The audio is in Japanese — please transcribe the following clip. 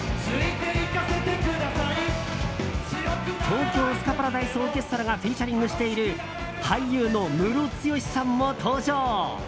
東京スカパラダイスオーケストラがフィーチャリングしている俳優のムロツヨシさんも登場。